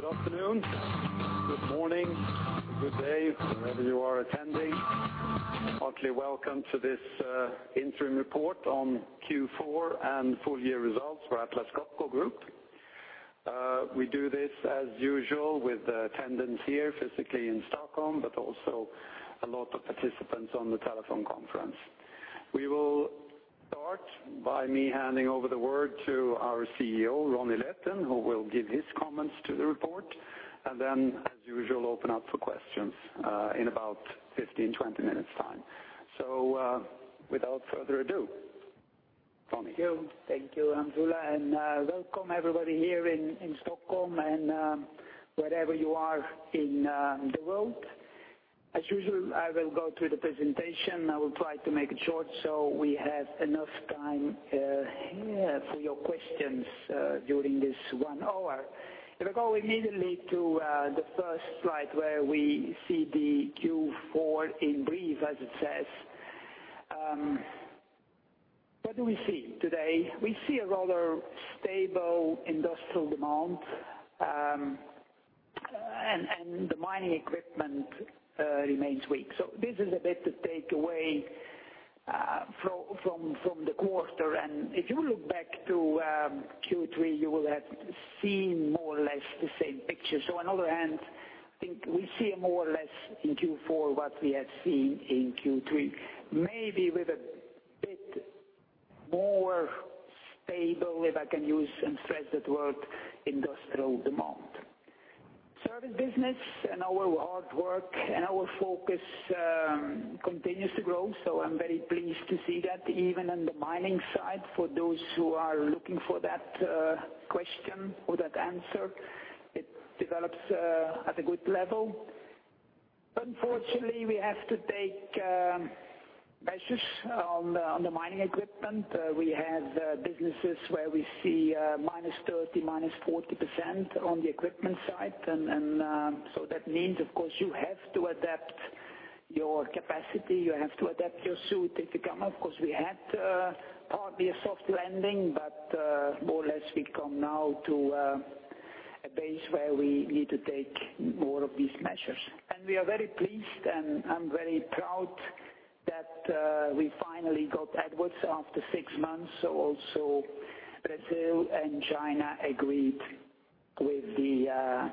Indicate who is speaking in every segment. Speaker 1: Good afternoon, good morning, good day, wherever you are attending. Heartily welcome to this interim report on Q4 and full year results for Atlas Copco Group. We do this, as usual, with attendance here physically in Stockholm, but also a lot of participants on the telephone conference. We will start by me handing over the word to our CEO, Ronnie Leten, who will give his comments to the report, and then, as usual, open up for questions in about 15, 20 minutes' time. Without further ado, Ronnie.
Speaker 2: Thank you, Hans Ola, and welcome everybody here in Stockholm and wherever you are in the world. As usual, I will go through the presentation. I will try to make it short so we have enough time for your questions during this one hour. If I go immediately to the first slide where we see the Q4 in brief, as it says. What do we see today? We see a rather stable industrial demand, and the mining equipment remains weak. This is a bit to take away from the quarter. If you look back to Q3, you will have seen more or less the same picture. On other hand, I think we see more or less in Q4 what we have seen in Q3, maybe with a bit more stable, if I can use and stress that word, industrial demand. Service business and our hard work and our focus continues to grow, I'm very pleased to see that even in the mining side, for those who are looking for that question or that answer, it develops at a good level. Unfortunately, we have to take measures on the mining equipment. We have businesses where we see -30%, -40% on the equipment side, that means, of course, you have to adapt your capacity. You have to adapt your suit if you come. Of course, we had partly a soft landing, but more or less we come now to a base where we need to take more of these measures. We are very pleased, and I'm very proud that we finally got Edwards after six months. Also Brazil and China agreed with the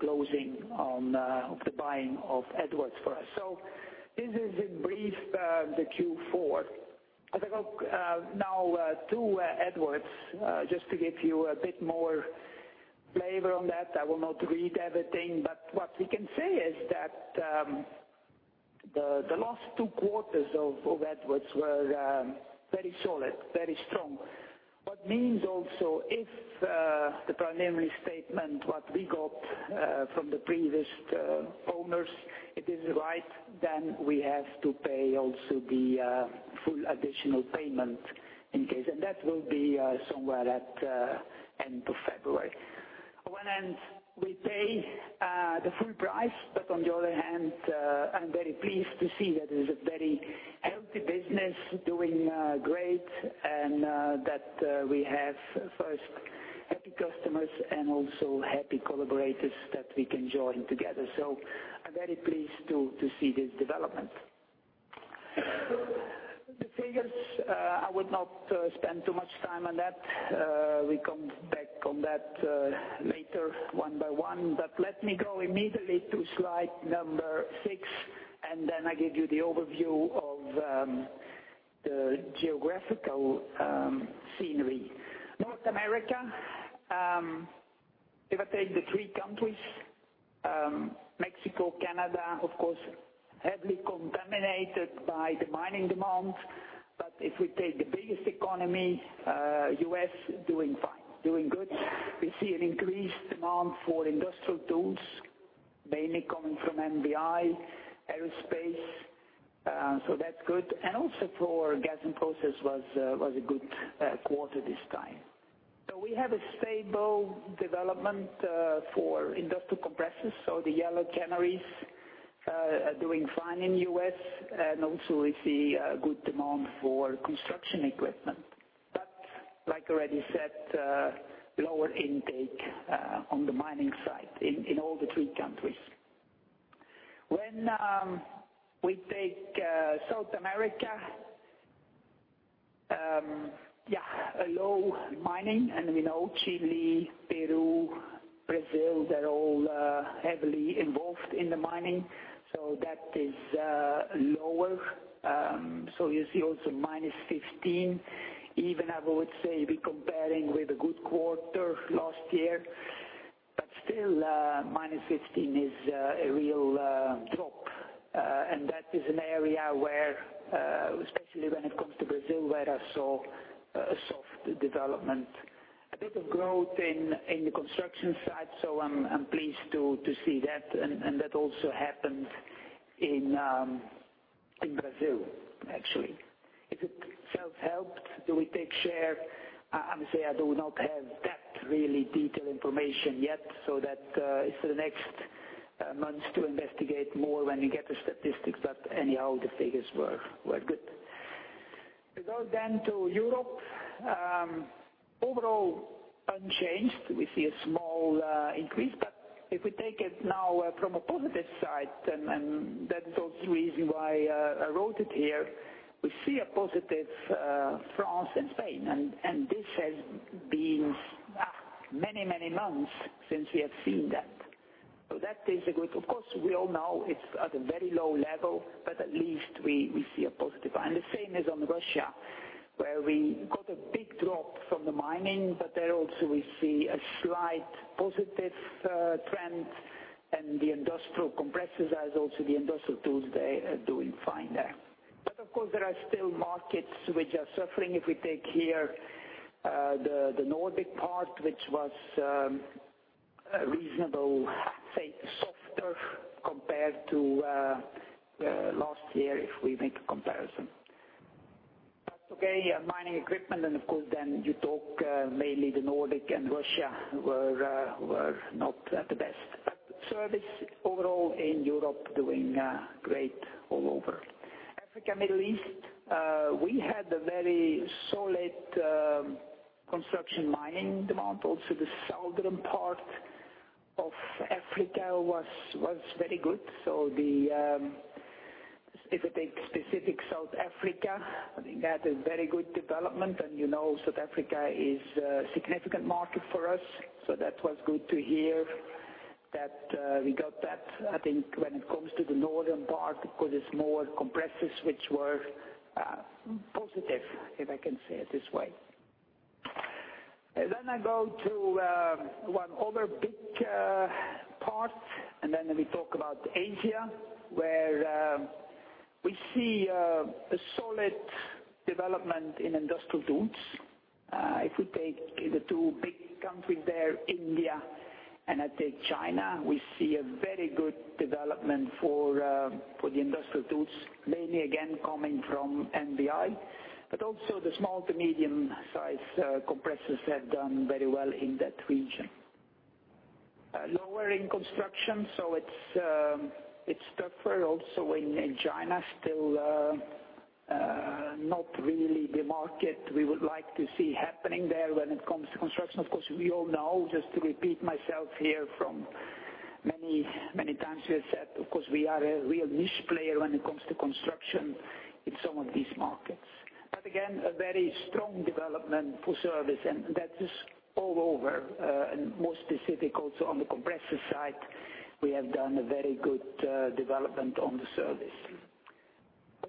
Speaker 2: closing of the buying of Edwards for us. This is in brief the Q4. If I go now to Edwards, just to give you a bit more flavor on that, I will not read everything, but what we can say is that the last two quarters of Edwards were very solid, very strong. What means also, if the preliminary statement, what we got from the previous owners, it is right, then we have to pay also the full additional payment in case. That will be somewhere at end of February. One end, we pay the full price, but on the other hand, I'm very pleased to see that it is a very healthy business, doing great, and that we have first happy customers and also happy collaborators that we can join together. I'm very pleased to see this development. The figures, I would not spend too much time on that. We come back on that later one by one. Let me go immediately to slide number 6. I give you the overview of the geographical scenery. North America, if I take the three countries, Mexico, Canada, of course, heavily contaminated by the mining demand. If we take the biggest economy, U.S. doing fine, doing good. We see an increased demand for industrial tools, mainly coming from MVI, aerospace. That's good. Also for Gas and Process was a good quarter this time. We have a stable development for industrial compressors, so the yellow canaries are doing fine in U.S. We see a good demand for construction equipment. Like I already said, lower intake on the mining side in all the three countries. When we take South America, low mining. We know Chile, Peru, Brazil, they're all heavily involved in the mining. That is lower. You see also -15%. Even I would say we comparing with a good quarter last year. Still, -15% is a real drop. That is an area where, especially when it comes to Brazil, where I saw a soft development. A bit of growth in the construction side. I'm pleased to see that. That also happened in Brazil, actually. If it self-helped, do we take share? I would say I do not have that really detailed information yet. That is for the next months to investigate more when we get the statistics. Anyhow, the figures were good. We go to Europe. Overall unchanged. We see a small increase. If we take it now from a positive side, that is also the reason why I wrote it here, we see a positive France and Spain. This has been many months since we have seen that. That is a good. Of course, we all know it's at a very low level. At least we see a positive. The same is on Russia, where we got a big drop from the mining. There also we see a slight positive trend in the industrial compressors as also the industrial tools, they are doing fine there. Of course, there are still markets which are suffering. If we take here the Nordic part, which was reasonable, say, softer compared to last year, if we make a comparison. Okay, mining equipment you talk mainly the Nordic and Russia were not the best. Service overall in Europe doing great all over. Africa, Middle East, we had a very solid construction mining demand. Also, the southern part of Africa was very good. If I take specific South Africa, I think that a very good development. You know South Africa is a significant market for us. That was good to hear that we got that. I think when it comes to the northern part, of course it's more compressors which were positive, if I can say it this way. I go to one other big part. We talk about Asia, where we see a solid development in industrial tools. If we take the two big countries there, India and I take China, we see a very good development for the industrial tools, mainly, again, coming from MVI. Also the small to medium-size compressors have done very well in that region. Lowering construction. It is tougher also in China, still not really the market we would like to see happening there when it comes to construction. We all know, just to repeat myself here from many times we have said, of course, we are a real niche player when it comes to construction in some of these markets. Again, a very strong development for service, and that is all over, and more specific also on the Compressor Technique side, we have done a very good development on the service.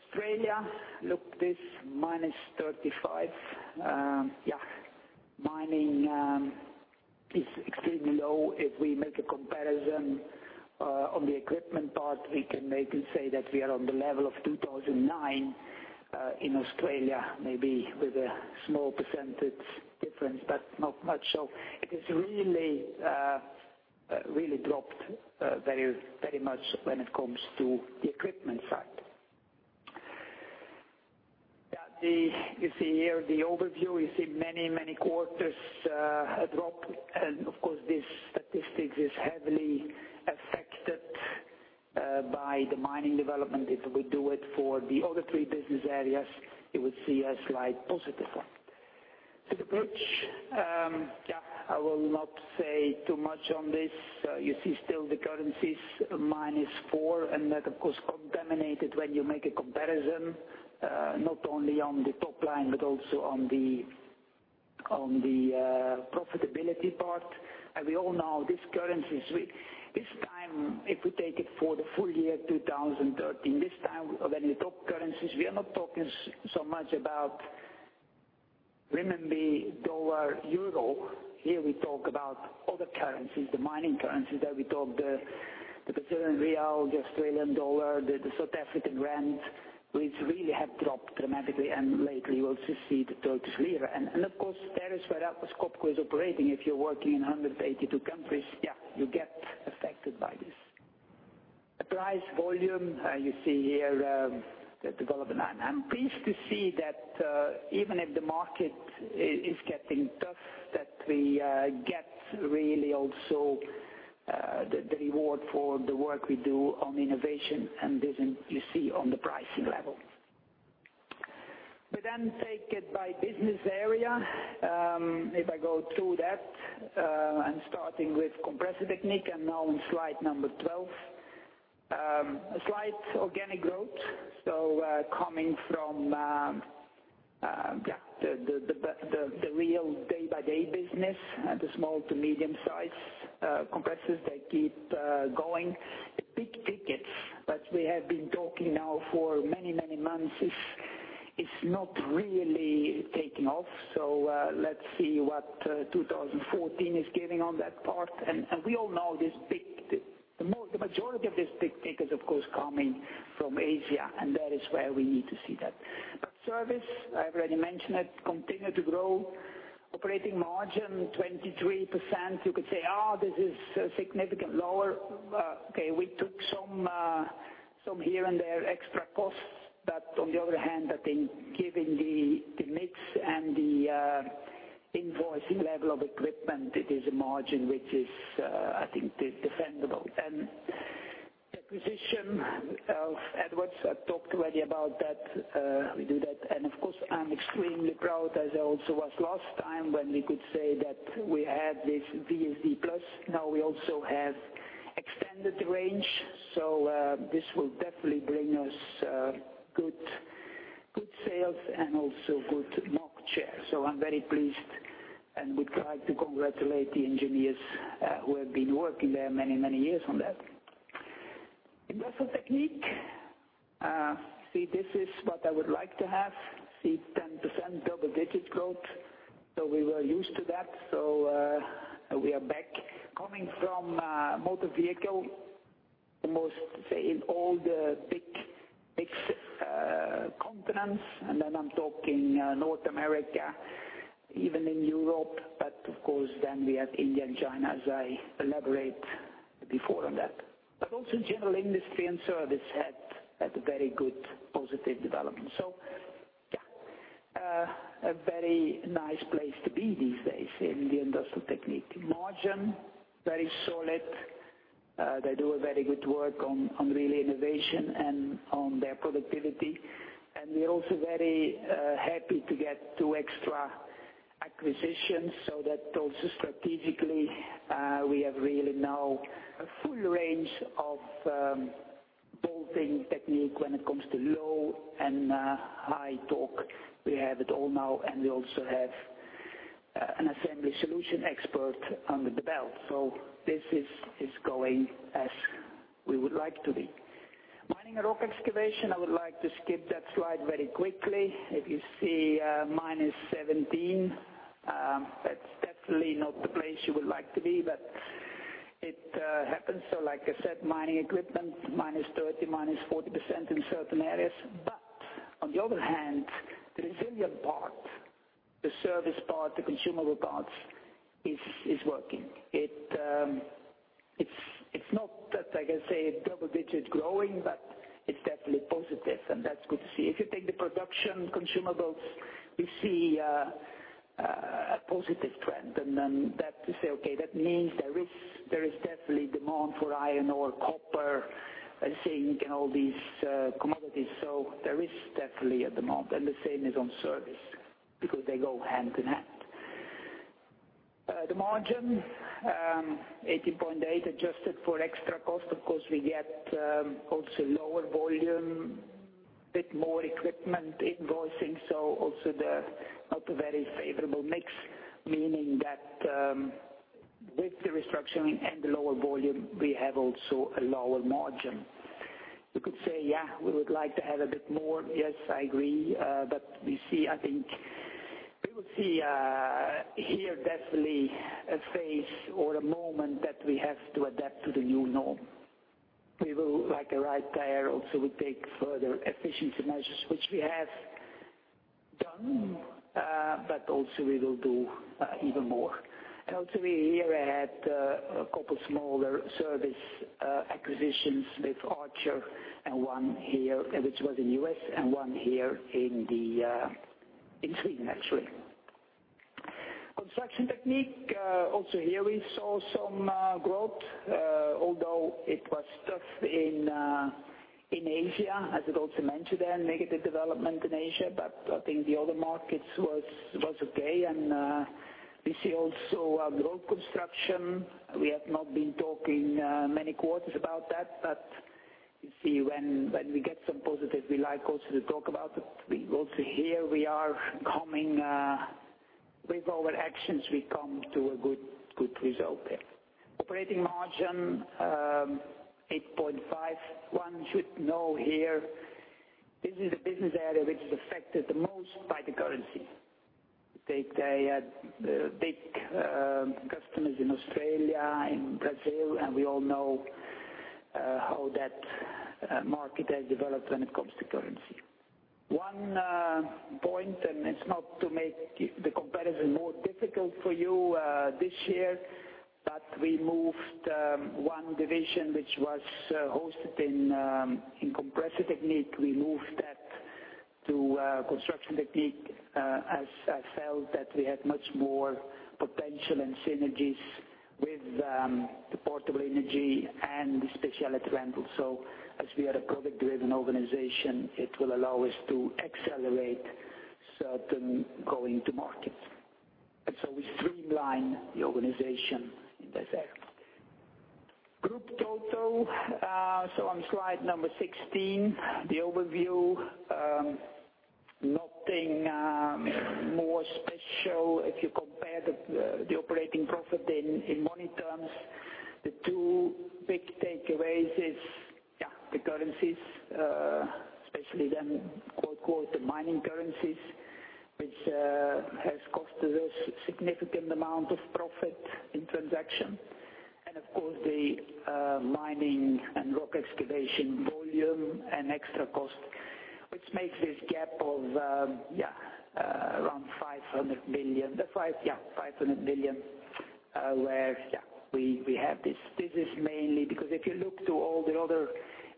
Speaker 2: Australia, look this, -35%. Mining is extremely low. If we make a comparison on the equipment part, we can maybe say that we are on the level of 2009 in Australia, maybe with a small percentage difference, but not much. It has really dropped very much when it comes to the equipment side. You see here the overview. You see many quarters a drop, and of course this statistic is heavily affected by the mining development. If we do it for the other three business areas, you would see a slight positive sign. The bridge. I will not say too much on this. You see still the currencies, -4%, and that of course contaminated when you make a comparison, not only on the top line, but also on the profitability part. We all know these currencies. This time, if we take it for the full year 2013, this time when you talk currencies, we are not talking so much about renminbi, USD, EUR. Here we talk about other currencies, the mining currencies. There we talk the Brazilian real, the Australian dollar, the South African rand, which really have dropped dramatically, and lately you also see the Turkish lira. Of course, that is where Atlas Copco is operating. If you're working in 182 countries, you get affected by this. Price volume, you see here the development. I'm pleased to see that even if the market is getting tough, that we get really also the reward for the work we do on innovation and this you see on the pricing level. We then take it by business area. If I go through that, I'm starting with Compressor Technique, and now on slide 12. A slight organic growth. Coming from the real day-by-day business, the small to medium-size compressors, they keep going. The big tickets that we have been talking now for many months is not really taking off. Let's see what 2014 is giving on that part. We all know the majority of these big tickets, of course, coming from Asia, and that is where we need to see that. Service, I already mentioned it, continued to grow. Operating margin 23%. You could say, "Oh, this is significantly lower." Okay, we took some here and there extra costs, but on the other hand, I think given the invoicing level of equipment, it is a margin which is, I think, defendable. Acquisition of Edwards, I talked already about that. We do that, of course, I'm extremely proud, as I also was last time when we could say that we had this VSD+. Now we also have extended range. This will definitely bring us good sales and also good market share. I'm very pleased and would like to congratulate the engineers who have been working there many years on that. Industrial Technique. See, this is what I would like to have. See 10% double-digit growth. We were used to that. We are back. Coming from motor vehicle, the most, say in all the big continents, then I'm talking North America, even in Europe, but of course then we have India and China as I elaborate before on that. Also general industry and service had a very good positive development. Yeah, a very nice place to be these days in the Industrial Technique. Margin, very solid. They do a very good work on really innovation and on their productivity. We are also very happy to get two extra acquisitions, so that also strategically, we have really now a full range of bolting technique when it comes to low and high torque. We have it all now, and we also have an assembly solution expert under the belt. This is going as we would like to be. Mining and Rock Excavation, I would like to skip that slide very quickly. If you see -17%, that's definitely not the place you would like to be, it happens. Like I said, mining equipment, -30%, -40% in certain areas. On the other hand, the resilient part, the service part, the consumable parts is working. It's not that, like I say, double-digit growing, it's definitely positive and that's good to see. If you take the production consumables, we see a positive trend. Then that to say, okay, that means there is definitely demand for iron ore, copper, zinc, and all these commodities. There is definitely a demand. The same is on service because they go hand in hand. The margin, 18.8% adjusted for extra cost. Of course, we get also lower volume, bit more equipment invoicing, also not a very favorable mix, meaning that with the restructuring and the lower volume, we have also a lower margin. You could say, yeah, we would like to have a bit more. Yes, I agree. We will see here definitely a phase or a moment that we have to adapt to the new norm. We will, like a right tire, also will take further efficiency measures, which we have done. Also we will do even more. Also we here had a couple smaller service acquisitions with Archer and one here, which was in U.S. and one here in Sweden, actually. Construction Technique, also here we saw some growth, although it was tough in Asia, as I also mentioned there, negative development in Asia. I think the other markets was okay. We see also road construction. We have not been talking many quarters about that, but you see when we get some positive, we like also to talk about it. Also here with our actions, we come to a good result there. Operating margin, 8.5%. One should know here, this is a business area which is affected the most by the currency. They had big customers in Australia, in Brazil, and we all know how that market has developed when it comes to currency. One point, it's not to make the comparison more difficult for you this year, but we moved one division which was hosted in Compressor Technique. We moved that to Construction Technique, as I felt that we had much more potential and synergies with the Portable Energy and the Specialty Rental. As we are a product-driven organization, it will allow us to accelerate certain going to market. We streamline the organization in that area. Group total, so on slide number 16, the overview, nothing more special if you compare the operating profit in money terms. The two big takeaways is, yeah, the currencies, especially then, quote, "the mining currencies," which has cost us significant amount of profit in transaction. Of course the Mining and Rock Excavation volume and extra cost, which makes this gap of around 500 million where we have this business mainly, because if you look to all the other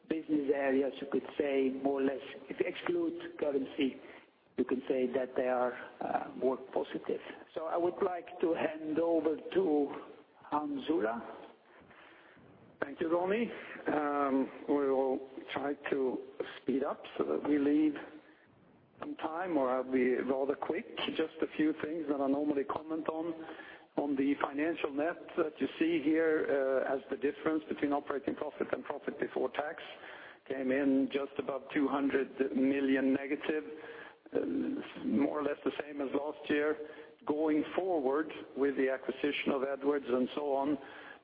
Speaker 2: business areas, you could say more or less, if you exclude currency, you can say that they are more positive. I would like to hand over to Hans Ola.
Speaker 1: Thank you, Ronnie. We will try to speed up so that we leave some time, or I'll be rather quick. Just a few things that I normally comment on. On the financial net that you see here, as the difference between operating profit and profit before tax, came in just above 200 million negative. More or less the same as last year. Going forward, with the acquisition of Edwards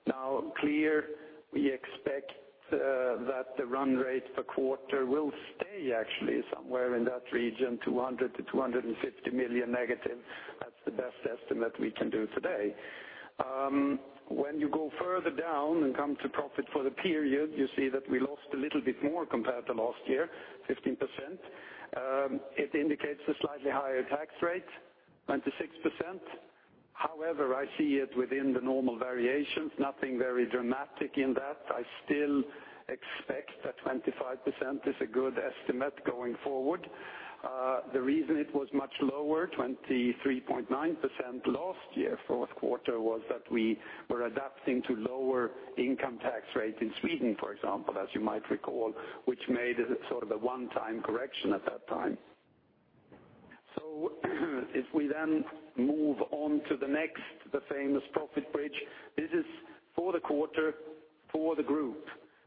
Speaker 1: now clear, we expect that the run rate per quarter will stay actually somewhere in that region, 200 million to 250 million negative. That's the best estimate we can do today. When you go further down and come to profit for the period, you see that we lost a little bit more compared to last year, 15%. It indicates a slightly higher tax rate, 26%. However, I see it within the normal variations, nothing very dramatic in that. I still expect that 25% is a good estimate going forward. The reason it was much lower, 23.9% last year, fourth quarter, was that we were adapting to lower income tax rate in Sweden, for example, as you might recall, which made it a one-time correction at that time. If we then move on to the next, the famous profit bridge, this is for the quarter, for the group.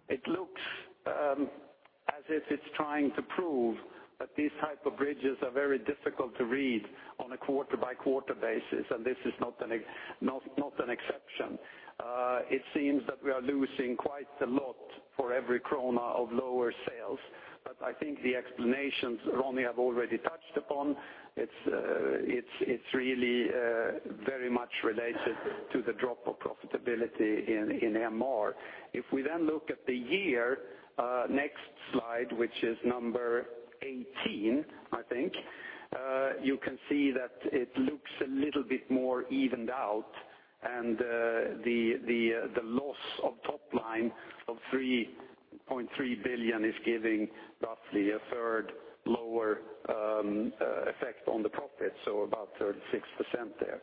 Speaker 1: It looks as if it's trying to prove that these type of bridges are very difficult to read on a quarter-by-quarter basis, and this is not an exception. It seems that we are losing quite a lot for every krona of lower sales, I think the explanations Ronnie have already touched upon, it's really very much related to the drop of profitability in MRE. Looking at the year, next slide, which is slide 18, I think, you can see that it looks a little bit more evened out, and the loss of top line of 3.3 billion is giving roughly a third lower effect on the profit, so about 36% there.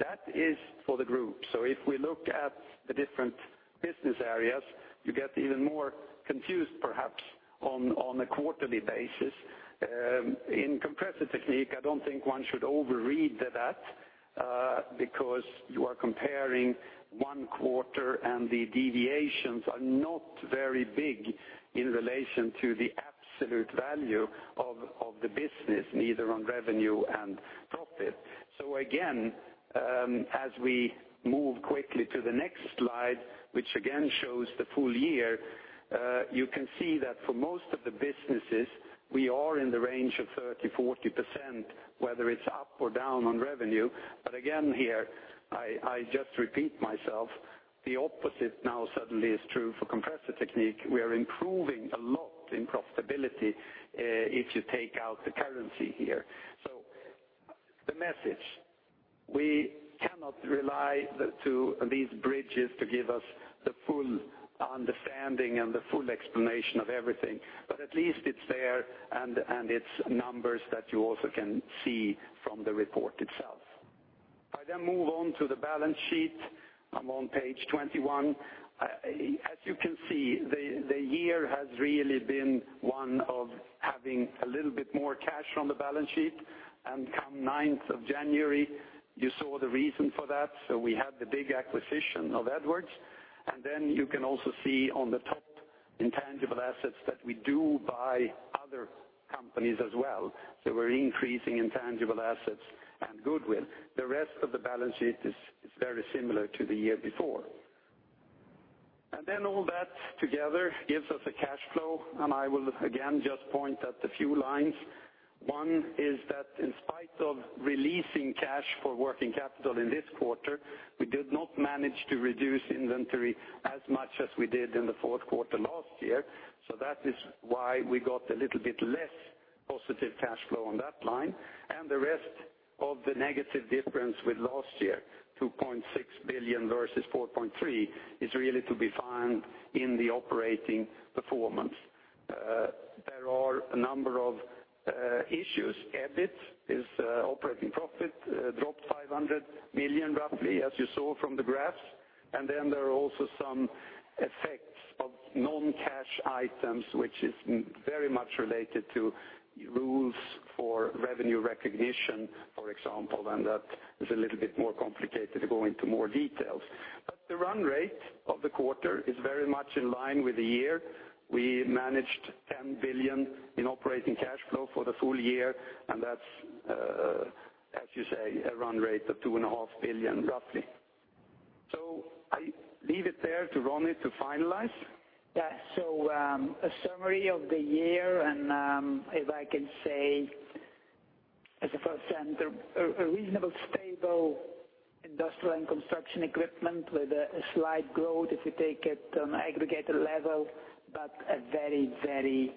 Speaker 1: That is for the group. If we look at the different business areas, you get even more confused, perhaps, on a quarterly basis. In Compressor Technique, I do not think one should overread that because you are comparing one quarter, and the deviations are not very big in relation to the absolute value of the business, neither on revenue and profit. Again, as we move quickly to the next slide, which again shows the full year, you can see that for most of the businesses, we are in the range of 30%-40%, whether it is up or down on revenue. Again here, I just repeat myself, the opposite suddenly is true for Compressor Technique. We are improving a lot in profitability if you take out the currency here. The message, we cannot rely on these bridges to give us the full understanding and the full explanation of everything, but at least it is there, and it is numbers that you also can see from the report itself. I move on to the balance sheet. I am on page 21. As you can see, the year has really been one of having a little bit more cash on the balance sheet, and come 9th of January, you saw the reason for that. We had the big acquisition of Edwards, and then you can also see on the top, intangible assets, that we do buy other companies as well. We are increasing intangible assets and goodwill. The rest of the balance sheet is very similar to the year before. All that together gives us a cash flow, and I will again just point at a few lines. One is that in spite of releasing cash for working capital in this quarter, we did not manage to reduce inventory as much as we did in the fourth quarter last year. That is why we got a little bit less positive cash flow on that line, and the rest of the negative difference with last year, 2.6 billion versus 4.3 billion, is really to be found in the operating performance. There are a number of issues. EBIT is operating profit, dropped 500 million, roughly, as you saw from the graphs. There are also some effects of non-cash items, which is very much related to rules for revenue recognition, for example, and that is a little bit more complicated to go into more details. The run rate of the quarter is very much in line with the year. We managed 10 billion in operating cash flow for the full year, and that is, as you say, a run rate of two and a half billion, roughly. I leave it there to Ronnie to finalize.
Speaker 2: A summary of the year, if I can say as a first sentence, a reasonably stable industrial and construction equipment with a slight growth if you take it on aggregated level, a very, very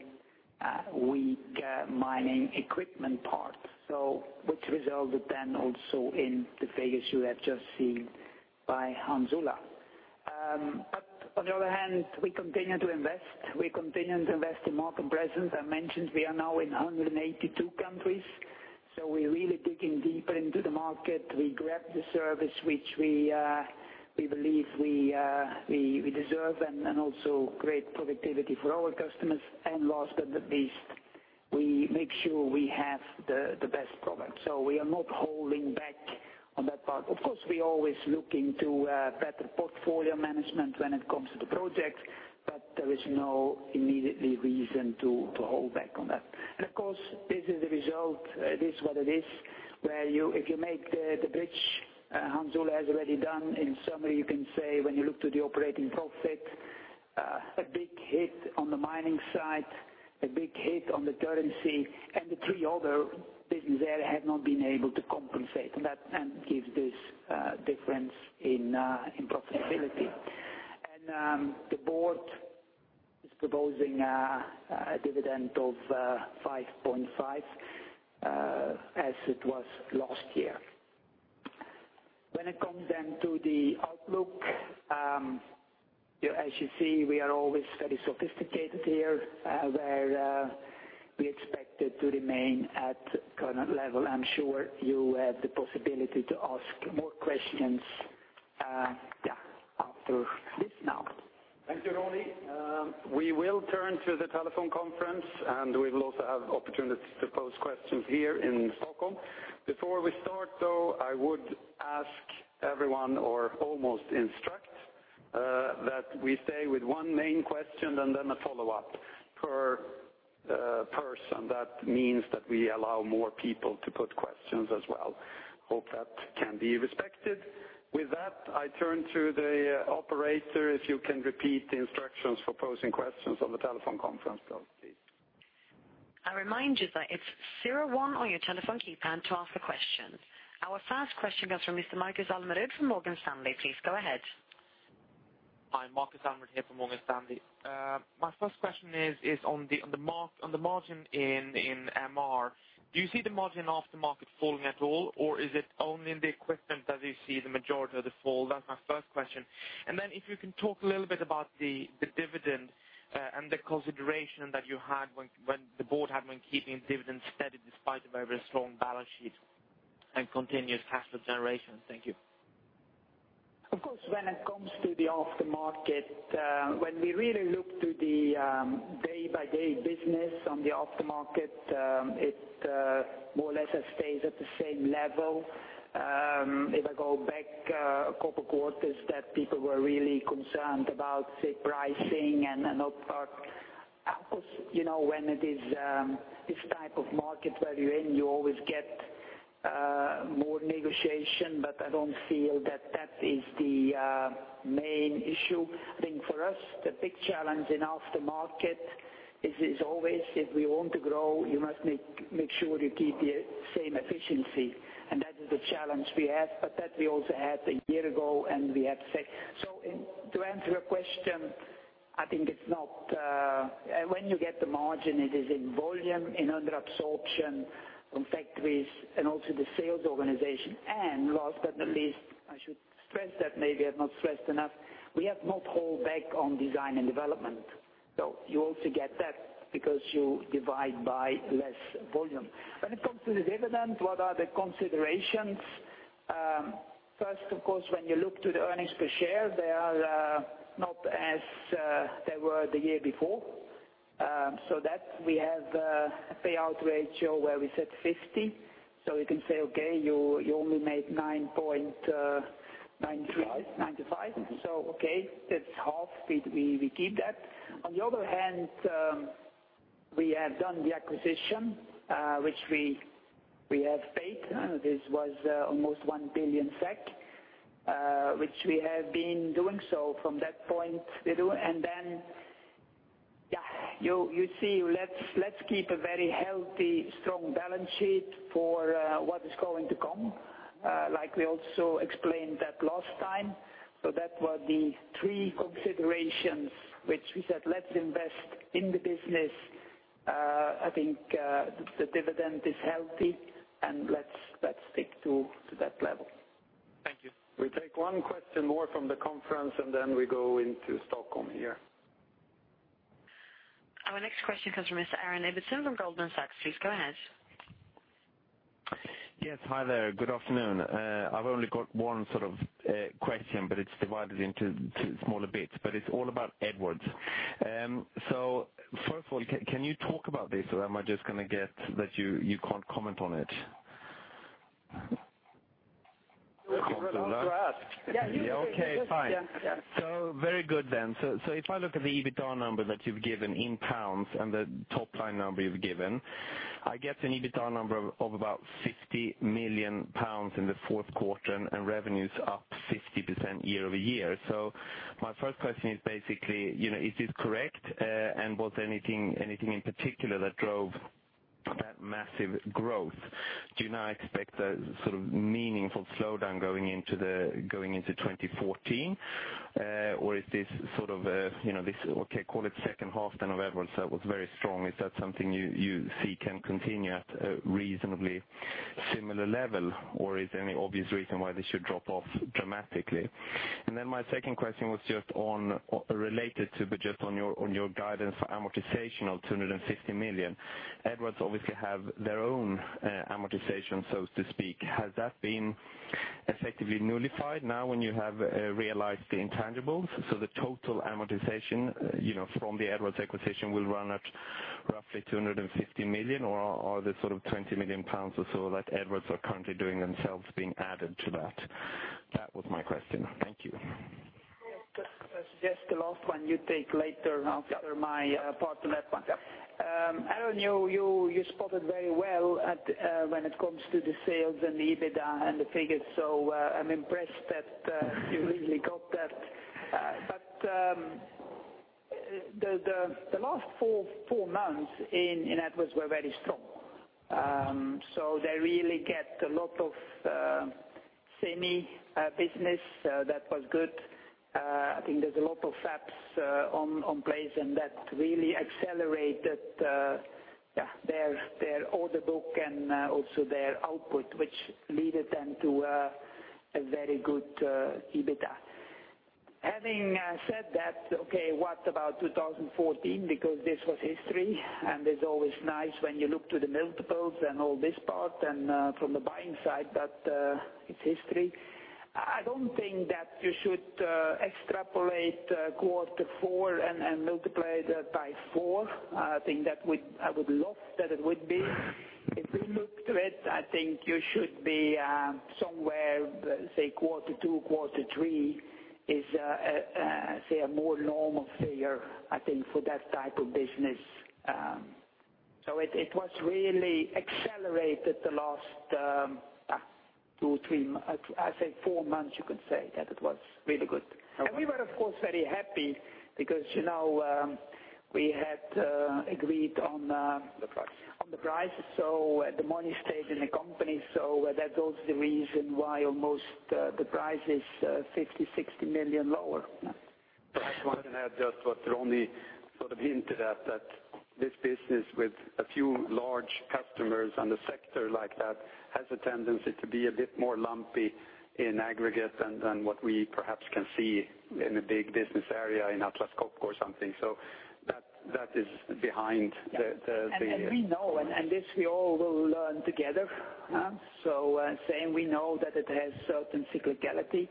Speaker 2: weak mining equipment part, which resulted also in the figures you have just seen by Hans Ola. On the other hand, we continue to invest. We continue to invest in market presence. I mentioned we are now in 182 countries. We're really digging deeper into the market. We grab the service, which we believe we deserve, and also great productivity for our customers. Last but not least, we make sure we have the best product. We are not holding back on that part. Of course, we always look into better portfolio management when it comes to the project, there is no immediately reason to hold back on that. Of course, this is the result. It is what it is. Where if you make the bridge Hans Ola has already done, in summary, you can say when you look to the operating profit, a big hit on the mining side, a big hit on the currency, the three other business areas have not been able to compensate on that, and gives this difference in profitability. The board is proposing a dividend of 5.5 as it was last year. When it comes then to the outlook, as you see, we are always very sophisticated here, where we expect it to remain at current level. I'm sure you have the possibility to ask more questions after this now.
Speaker 1: Thank you, Ronnie. We will turn to the telephone conference, we will also have opportunities to pose questions here in Stockholm. Before we start, though, I would ask everyone, or almost instruct, that we stay with one main question and then a follow-up per person. That means that we allow more people to put questions as well. Hope that can be respected. With that, I turn to the operator. If you can repeat the instructions for posing questions on the telephone conference though, please.
Speaker 3: I remind you that it's zero one on your telephone keypad to ask the question. Our first question comes from Mr. Markus Almerud from Morgan Stanley. Please go ahead.
Speaker 4: Hi, Markus Almerud here from Morgan Stanley. My first question is on the margin in MRE. Do you see the margin after market falling at all, or is it only in the equipment that you see the majority of the fall? That's my first question. If you can talk a little bit about the dividend and the consideration that you had when the board had been keeping dividends steady despite a very strong balance sheet and continuous cash flow generation. Thank you.
Speaker 2: Of course, when it comes to the after market, when we really look to the day-by-day business on the after market, it more or less stays at the same level. If I go back a couple quarters that people were really concerned about, say, pricing and whatnot. Of course, when it is this type of market where you're in, you always get more negotiation, but I don't feel that that is the main issue. I think for us, the big challenge in after market is always if we want to grow, you must make sure you keep the same efficiency. That is the challenge we have, but that we also had a year ago, and we had said. To answer your question, I think when you get the margin, it is in volume, in under absorption from factories and also the sales organization. Last but not least, I should stress that maybe I've not stressed enough, we have not hold back on design and development. You also get that because you divide by less volume. When it comes to the dividend, what are the considerations? First, of course, when you look to the earnings per share, they are not as they were the year before. That we have a payout ratio where we said 50. You can say, okay, you only made 9.95. Okay, that's half. We keep that. On the other hand, we have done the acquisition, which we have paid. This was almost 1 billion SEK, which we have been doing. From that point, we do. You see, let's keep a very healthy, strong balance sheet for what is going to come, like we also explained that last time. That was the three considerations which we said let's invest in the business. I think the dividend is healthy, and let's stick to that level.
Speaker 4: Thank you.
Speaker 1: We take one question more from the conference, and then we go into Stockholm here.
Speaker 3: Our next question comes from Mr. Aaron Ibbotson from Goldman Sachs. Please go ahead.
Speaker 5: Yes, hi there. Good afternoon. I've only got one sort of question, but it's divided into smaller bits, but it's all about Edwards. First of all, can you talk about this, or am I just going to get that you can't comment on it?
Speaker 1: Hans Ola. You're welcome to ask.
Speaker 5: Okay, fine.
Speaker 2: Yes.
Speaker 5: Very good then. If I look at the EBITDA number that you've given in pounds and the top line number you've given, I get an EBITDA number of about 50 million pounds in the fourth quarter and revenues up 50% year-over-year. My first question is basically, is this correct? Was anything in particular that drove That massive growth? Do you now expect a meaningful slowdown going into 2014? Is this, call it second half then of Edwards that was very strong, is that something you see can continue at a reasonably similar level, or is there any obvious reason why this should drop off dramatically? My second question was just related, but just on your guidance for amortization of 250 million. Edwards obviously have their own amortization, so to speak. Has that been effectively nullified now when you have realized the intangibles? The total amortization from the Edwards acquisition will run at roughly 250 million or are there sort of 20 million pounds or so that Edwards are currently doing themselves being added to that? That was my question. Thank you.
Speaker 2: I suggest the last one you take later after my part of that one.
Speaker 5: Yeah.
Speaker 2: Aaron, you spotted very well when it comes to the sales and the EBITDA and the figures, I'm impressed that you really got that. The last four months in Edwards were very strong. They really get a lot of semi business. That was good. I think there's a lot of fabs in place, and that really accelerated their order book and also their output, which lead them to a very good EBITDA. Having said that, okay, what about 2014? Because this was history, and it's always nice when you look to the multiples and all this part and from the buying side, but it's history. I don't think that you should extrapolate quarter four and multiply that by four. I would love that it would be. If we look to it, I think you should be somewhere, say, quarter two, quarter three, is say a more normal figure, I think, for that type of business. It was really accelerated the last two, three, I say four months, you could say, that it was really good. We were, of course, very happy because we had agreed on
Speaker 1: The price
Speaker 2: on the price, the money stayed in the company. That's also the reason why almost the price is 50 million-60 million lower.
Speaker 1: Perhaps if I can add just what Ronnie sort of hinted at, that this business with a few large customers and a sector like that, has a tendency to be a bit more lumpy in aggregate than what we perhaps can see in a big business area in Atlas Copco or something. That is behind.
Speaker 2: We know, and this we all will learn together. Saying we know that it has certain cyclicality,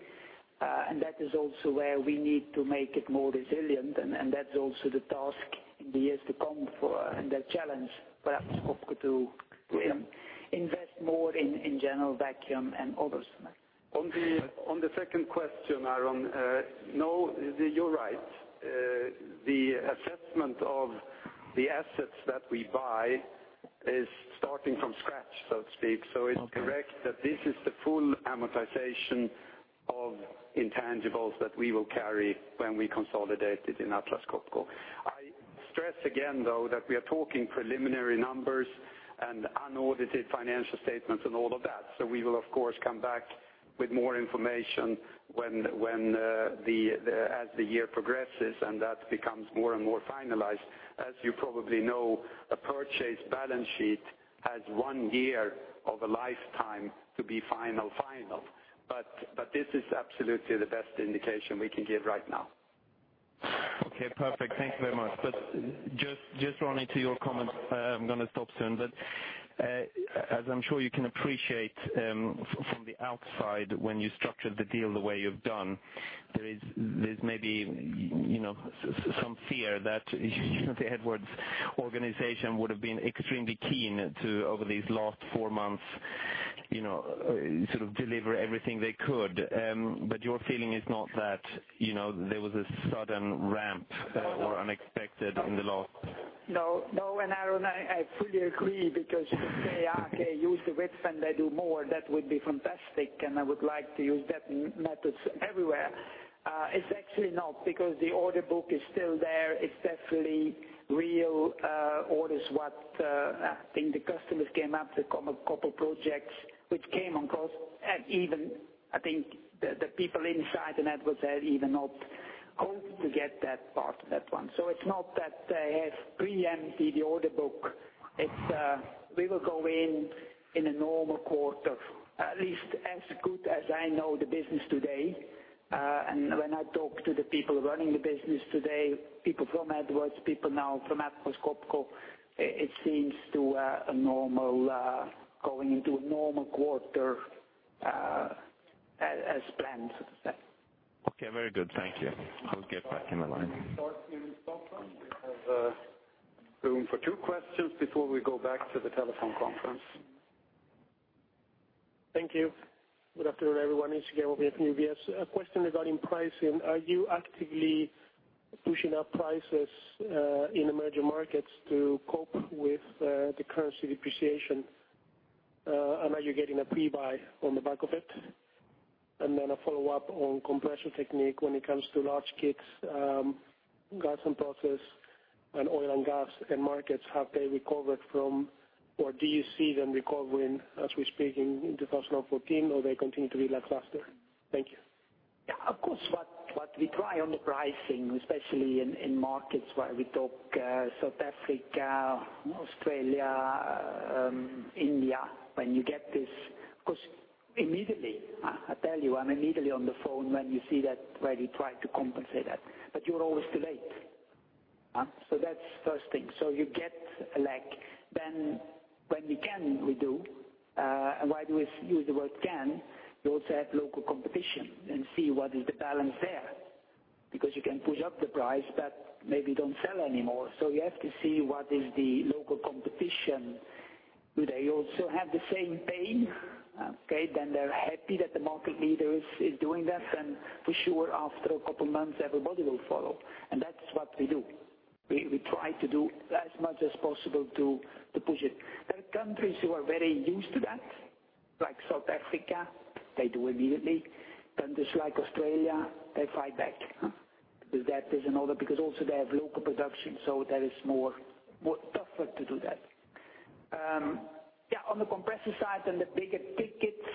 Speaker 2: and that is also where we need to make it more resilient, and that's also the task in the years to come, for, and the challenge, perhaps, Copco to invest more in general vacuum and others.
Speaker 1: On the second question, Aaron, you're right. The assessment of the assets that we buy is starting from scratch, so to speak.
Speaker 5: Okay.
Speaker 1: It's correct that this is the full amortization of intangibles that we will carry when we consolidate it in Atlas Copco. I stress again, though, that we are talking preliminary numbers and unaudited financial statements and all of that, we will of course come back with more information as the year progresses, and that becomes more and more finalized. As you probably know, a purchase balance sheet has one year of a lifetime to be final final. This is absolutely the best indication we can give right now.
Speaker 5: Okay, perfect. Thank you very much. Just, Ronnie, to your comment, I'm going to stop soon, but as I'm sure you can appreciate from the outside, when you structured the deal the way you've done, there's maybe some fear that the Edwards organization would've been extremely keen to, over these last four months, deliver everything they could. Your feeling is not that there was a sudden ramp or unexpected in the.
Speaker 2: No, Aaron, I fully agree, because you could say, okay, use the whip and they do more. That would be fantastic, and I would like to use that methods everywhere. It's actually not, because the order book is still there. It's definitely real orders what I think the customers came up, the couple projects which came on course, and even, I think, the people inside Edwards had even not hoped to get that part, that one. It's not that they have preempted the order book. We will go in a normal quarter, at least as good as I know the business today. When I talk to the people running the business today, people from Edwards, people now from Atlas Copco, it seems to going into a normal quarter as planned.
Speaker 5: Okay, very good. Thank you. I'll get back in the line.
Speaker 1: We start here in Stockholm. We have room for two questions before we go back to the telephone conference.
Speaker 6: Thank you. Good afternoon, everyone. It's Gabriel at UBS. A question regarding pricing. Are you actively pushing up prices in emerging markets to cope with the currency depreciation? Are you getting a pre-buy on the back of it? A follow-up on Compressor Technique when it comes to large CapEx, Gas and Process, and oil and gas, and markets. Have they recovered from, or do you see them recovering as we speak in 2014, or they continue to be lackluster? Thank you.
Speaker 2: Yeah, of course. What we try on the pricing, especially in markets where we talk South Africa, Australia, India, when you get this. Immediately, I tell you, I'm immediately on the phone when you see that, where we try to compensate that, but you're always too late. That's first thing. You get a lag, then when we can, we do. Why do we use the word can? You also have local competition and see what is the balance there. You can push up the price but maybe don't sell anymore. You have to see what is the local competition. Do they also have the same pain? Okay, then they're happy that the market leader is doing that, and for sure, after a couple of months, everybody will follow. That's what we do. We try to do as much as possible to push it. There are countries who are very used to that, like South Africa. They do immediately. Countries like Australia, they fight back. That is another, also they have local production, so that is tougher to do that. On the compressor side and the bigger tickets,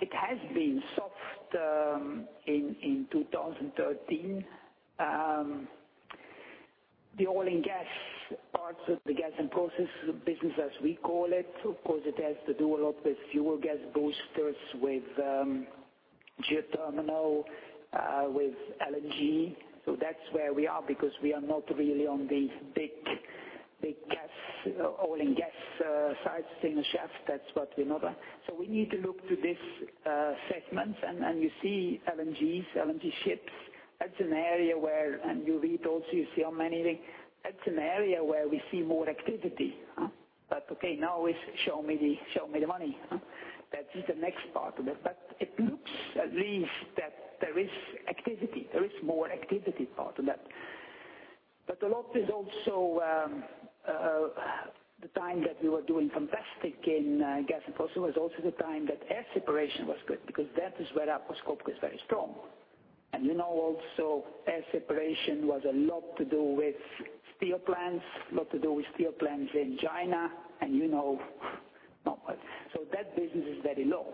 Speaker 2: it has been soft in 2013. The oil and gas parts of the Gas and Process business as we call it. Of course, it has to do a lot with fuel gas boosters, with geothermal, with LNG. That's where we are because we are not really on the big oil and gas side, single shaft, that's what we're not at. We need to look to this segment and you see LNGs, LNG ships. And you read also, you see on many, that's an area where we see more activity. Okay, now it's show me the money. That is the next part of it. It looks at least that there is activity, there is more activity part of that. A lot is also the time that we were doing fantastic in Gas and Process was also the time that air separation was good because that is where Atlas Copco is very strong. You know also air separation was a lot to do with steel plants, a lot to do with steel plants in China, and you know. That business is very low.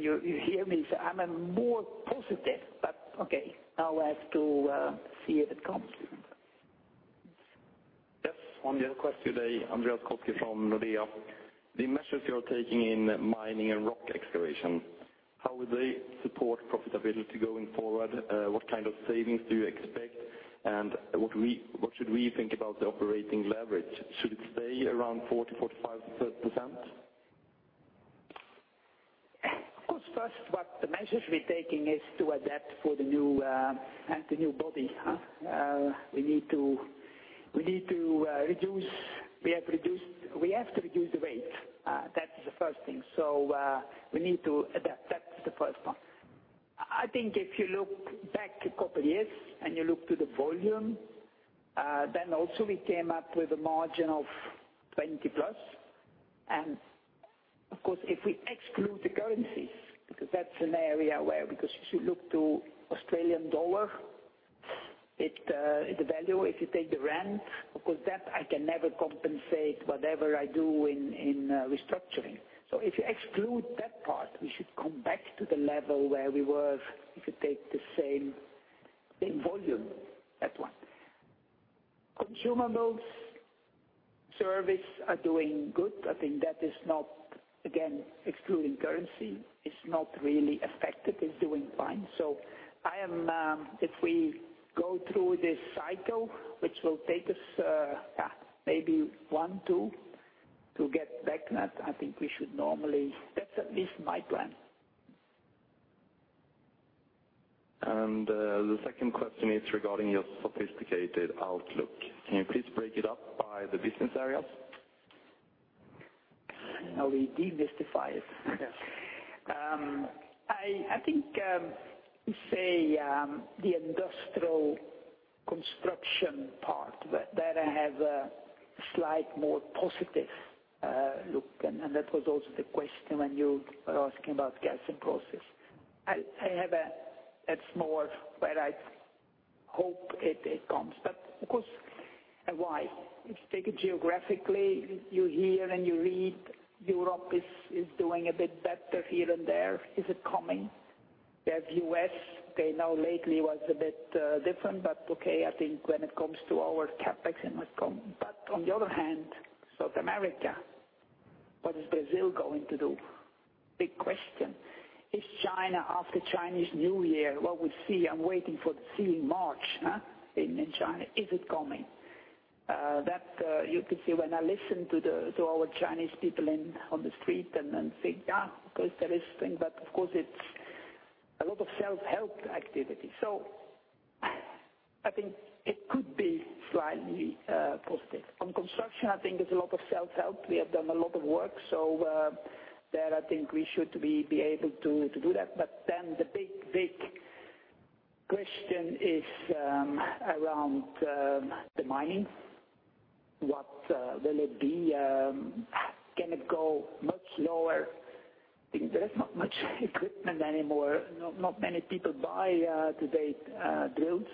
Speaker 2: You hear me, I'm more positive, but okay, now I have to see if it comes.
Speaker 7: Yes. One more question. Andreas Koski from Nordea. The measures you are taking in Mining and Rock Excavation, how will they support profitability going forward? What kind of savings do you expect? What should we think about the operating leverage? Should it stay around 40%, 45%?
Speaker 2: First, what the measures we're taking is to adapt for the new body. We have to reduce the weight. That is the first thing. We need to adapt. That's the first one. If you look back a couple of years and you look to the volume, then also we came up with a margin of 20 plus. If we exclude the currencies, because that's an area where, if you look to AUD, the value, if you take the ZAR, that I can never compensate whatever I do in restructuring. If you exclude that part, we should come back to the level where we were, if you take the same volume. That one. Consumables, service are doing good. That is not, again, excluding currency, is not really affected, it's doing fine. If we go through this cycle, which will take us maybe one, two to get back that. That's at least my plan.
Speaker 7: The second question is regarding your sophisticated outlook. Can you please break it up by the business areas?
Speaker 2: We demystify it.
Speaker 7: Yes.
Speaker 2: I think, the industrial construction part, there I have a slight more positive look. That was also the question when you were asking about Gas and Process. It's more where I hope it comes. Of course, and why? If you take it geographically, you hear and you read Europe is doing a bit better here and there. Is it coming? There's U.S., okay, now lately was a bit different, but okay, I think when it comes to our CapEx, it might come. On the other hand, South America. What is Brazil going to do? Big question. Is China after Chinese New Year, what we see, I'm waiting for to see in March in China. Is it coming? That you could see when I listen to our Chinese people on the street think, yeah, of course there is thing, of course it's a lot of self-help activity. I think it could be slightly positive. On construction, I think there's a lot of self-help. We have done a lot of work, there, I think we should be able to do that. The big question is around the mining. What will it be? Can it go much lower? I think there is not much equipment anymore. Not many people buy drills today.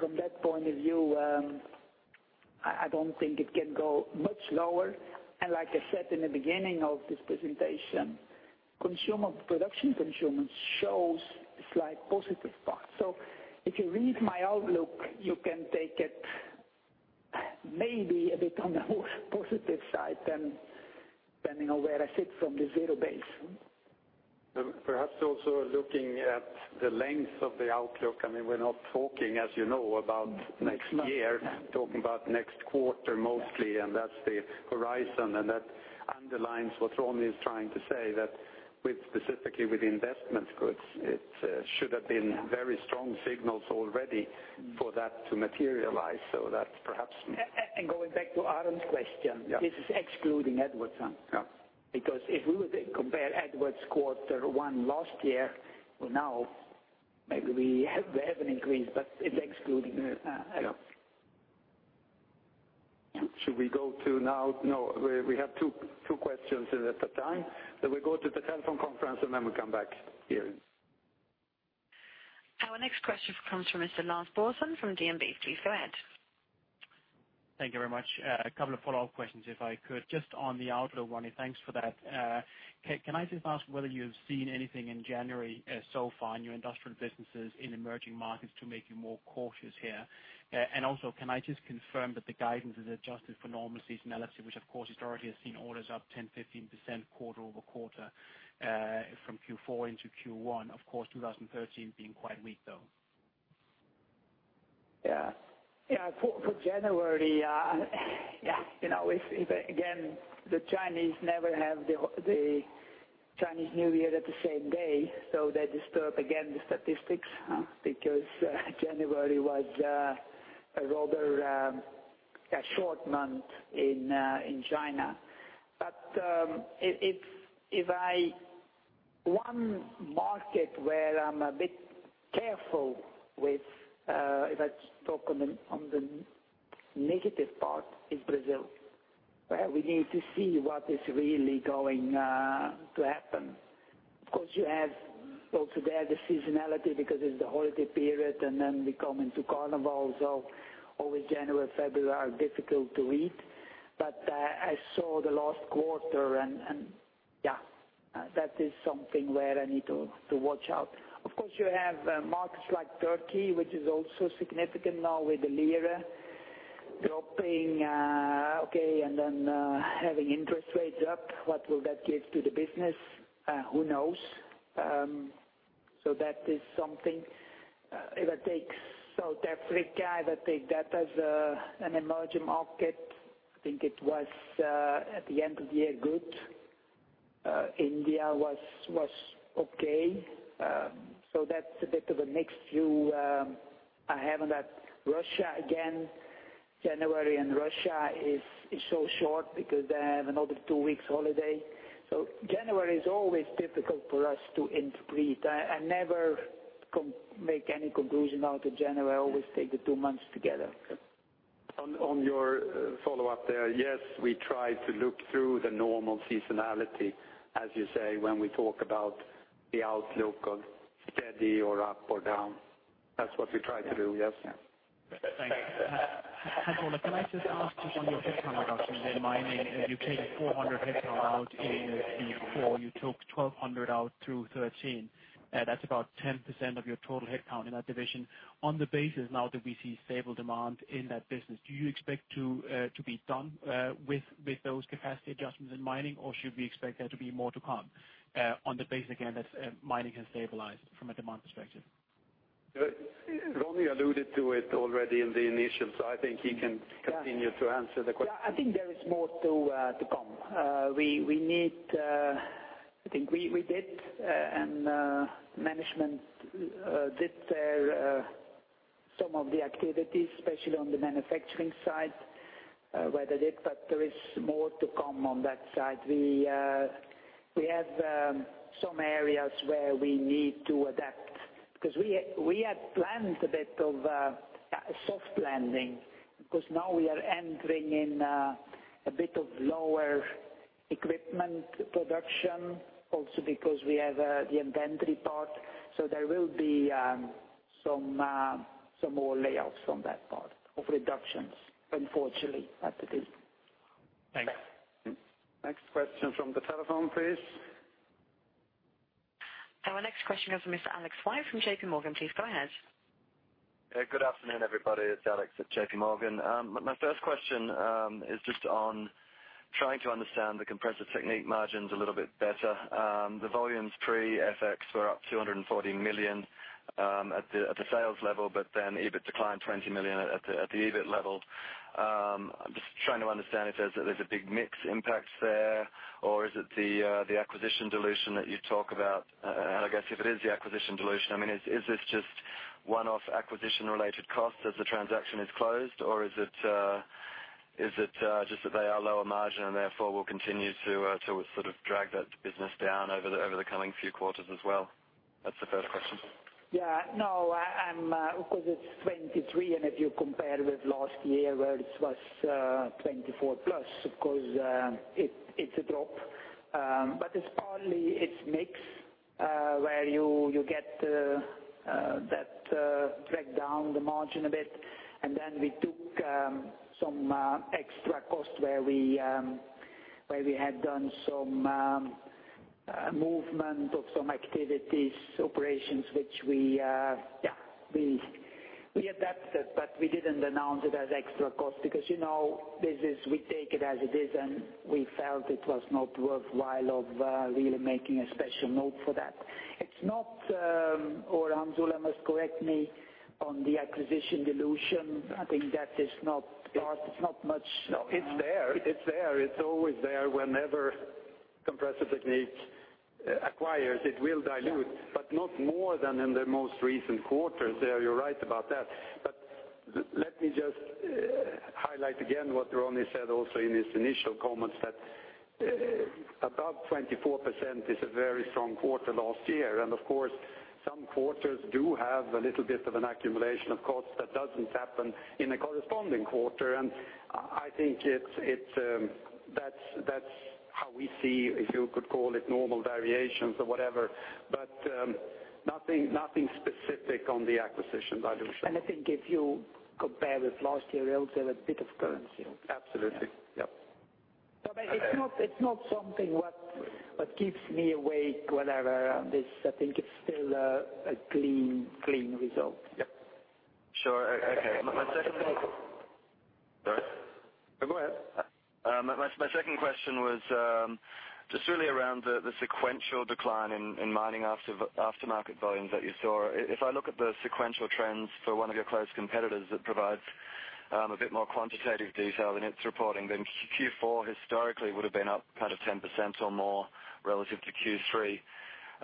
Speaker 2: From that point of view, I don't think it can go much lower. Like I said in the beginning of this presentation, production consumables shows a slight positive part. If you read my outlook, you can take it maybe a bit on the more positive side than depending on where I sit from the zero base.
Speaker 1: Perhaps also looking at the length of the outlook. We're not talking, as you know, about next year. We're talking about next quarter mostly, that's the horizon. That underlines what Ronnie is trying to say, that specifically with investment goods, it should have been very strong signals already for that to materialize.
Speaker 2: Going back to Aaron's question.
Speaker 1: Yeah.
Speaker 2: This is excluding Edwards.
Speaker 1: Yeah.
Speaker 2: If we were to compare Edwards quarter one last year with now, maybe we have an increase, but it's excluding. Yeah.
Speaker 1: Should we go to now. No. We have two questions in at a time. We go to the telephone conference and then we come back here.
Speaker 3: Our next question comes from Mr. Lars Brorson from DnB. Please go ahead.
Speaker 8: Thank you very much. A couple of follow-up questions, if I could. Just on the outlook, Ronnie, thanks for that. Can I just ask whether you have seen anything in January so far in your industrial businesses in emerging markets to make you more cautious here? Can I just confirm that the guidance is adjusted for normal seasonality, which of course, it already has seen orders up 10%-15% quarter-over-quarter from Q4 into Q1. Of course, 2013 being quite weak, though.
Speaker 2: For January, again, the Chinese never have the Chinese New Year at the same day, they disturb again the statistics because January was a rather short month in China. One market where I'm a bit careful with, if I talk on the negative part, is Brazil, where we need to see what is really going to happen. Of course, you have also there the seasonality because it's the holiday period, we come into Carnival. Always January, February are difficult to read. I saw the last quarter, that is something where I need to watch out. Of course, you have markets like Turkey, which is also significant now with the lira dropping, and then having interest rates up. What will that give to the business? Who knows? That is something. If I take South Africa, if I take that as an emerging market, I think it was, at the end of the year, good. India was okay. That's a bit of a mixed view I have on that. Russia, again, January in Russia is so short because they have another two weeks holiday. January is always difficult for us to interpret. I never make any conclusion out of January. I always take the two months together.
Speaker 1: On your follow-up there, yes, we try to look through the normal seasonality, as you say, when we talk about the outlook of steady or up or down. That's what we try to do, yes.
Speaker 8: Thanks. Ola, can I just ask just on your headcount reductions in mining, you take 400 headcount out in Q4, you took 1,200 out through 2013. That's about 10% of your total headcount in that division. On the basis now that we see stable demand in that business, do you expect to be done with those capacity adjustments in mining, or should we expect there to be more to come on the basis, again, that mining has stabilized from a demand perspective?
Speaker 1: Ronnie alluded to it already in the initial, I think he can continue to answer the question.
Speaker 2: Yeah, I think there is more to come. I think we did, and management did their some of the activities, especially on the manufacturing side, where they did, there is more to come on that side. We have some areas where we need to adapt, because we had planned a bit of a soft landing, because now we are entering in a bit of lower equipment production, also because we have the inventory part. There will be some more layoffs on that part of reductions, unfortunately, at it is.
Speaker 8: Thanks.
Speaker 1: Next question from the telephone, please.
Speaker 3: Our next question comes from Mr. Alex White from JPMorgan. Please go ahead.
Speaker 9: Good afternoon, everybody. It's Alex at JPMorgan. My first question is just on trying to understand the Compressor Technique margins a little bit better. The volumes pre-FX were up 240 million at the sales level, but then EBIT declined 20 million at the EBIT level. I'm just trying to understand if there's a big mix impact there, or is it the acquisition dilution that you talk about? I guess if it is the acquisition dilution, is this just one-off acquisition related costs as the transaction is closed, or is it just that they are lower margin and therefore will continue to sort of drag that business down over the coming few quarters as well? That's the first question.
Speaker 2: No, because it's 23% and if you compare with last year where it was 24% plus, of course, it's a drop. It's partly it's mix, where you get that drag down the margin a bit. Then we took some extra cost where we had done some movement of some activities, operations which we adapted, but we didn't announce it as extra cost because, this is we take it as it is, and we felt it was not worthwhile of really making a special note for that. It's not, or Hans Ola must correct me on the acquisition dilution. I think that is not large. It's not much.
Speaker 1: No, it's there. It's always there. Whenever Compressor Technique acquires, it will dilute.
Speaker 2: Yeah.
Speaker 1: Not more than in the most recent quarters there, you're right about that. Let me just highlight again what Ronnie said also in his initial comments, that above 24% is a very strong quarter last year. Of course, some quarters do have a little bit of an accumulation of costs that doesn't happen in a corresponding quarter. I think that's how we see, if you could call it normal variations or whatever. Nothing specific on the acquisition dilution.
Speaker 2: I think if you compare with last year, you also have a bit of currency.
Speaker 1: Absolutely. Yep.
Speaker 2: No, it's not something what keeps me awake, whatever. I think it's still a clean result.
Speaker 1: Yep.
Speaker 9: Sure. Okay.
Speaker 2: Sorry.
Speaker 1: No, go ahead.
Speaker 9: My second question was, just really around the sequential decline in mining aftermarket volumes that you saw. If I look at the sequential trends for one of your close competitors that provides a bit more quantitative detail in its reporting, then Q4 historically would've been up 10% or more relative to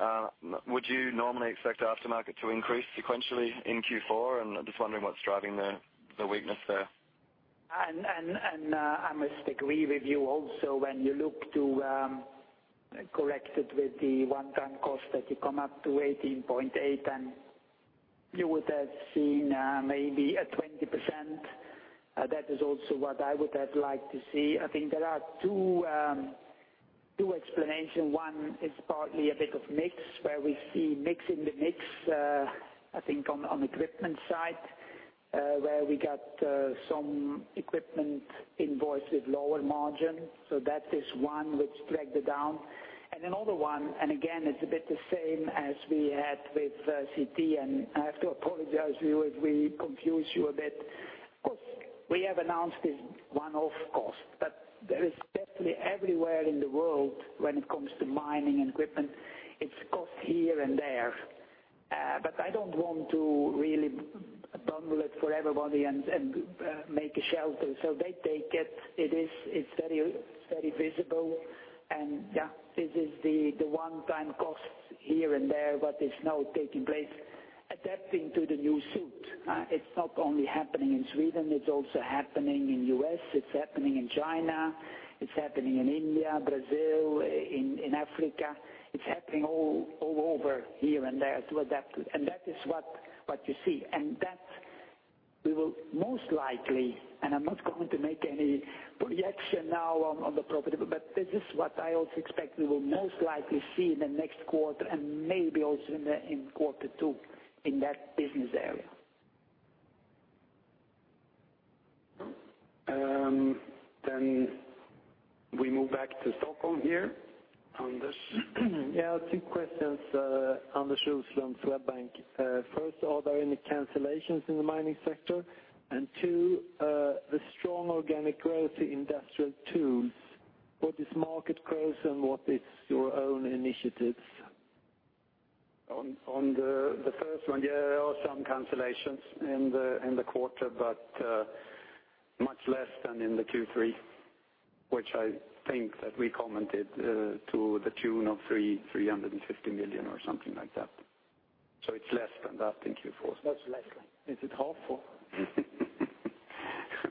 Speaker 9: Q3. Would you normally expect aftermarket to increase sequentially in Q4? I'm just wondering what's driving the weakness there.
Speaker 2: I must agree with you also, when you look to correct it with the one-time cost that you come up to 18.8, and you would have seen maybe a 20%. That is also what I would have liked to see. I think there are two explanation. One is partly a bit of mix, where we see mix in the mix, I think on equipment side, where we got some equipment invoice with lower margin. That is one which dragged it down. Another one, and again, it's a bit the same as we had with CT, and I have to apologize to you if we confuse you a bit. Cost, we have announced is one-off cost, but there is definitely everywhere in the world when it comes to mining and equipment, it's cost here and there. I don't want to really bundle it for everybody and make a shelter. They take it. It's very visible. Yeah, this is the one-time costs here and there, but it's now taking place adapting to the new suit. It's not only happening in Sweden, it's also happening in the U.S., it's happening in China, it's happening in India, Brazil, in Africa. It's happening all over here and there to adapt to. That is what you see. That we will most likely, and I'm not going to make any projection now on the profit, but this is what I also expect we will most likely see in the next quarter and maybe also in quarter two in that business area.
Speaker 1: We move back to Stockholm here. Anders.
Speaker 10: Yeah, two questions. Anders Roslund, Swedbank. First, are there any cancellations in the mining sector? Two, the strong organic growth in industrial tools. What is market growth and what is your own initiatives?
Speaker 1: On the first one, yeah, there are some cancellations in the quarter, but much less than in the Q3, which I think that we commented to the tune of 350 million or something like that. It's less than that in Q4.
Speaker 10: Much less than. Is it half or?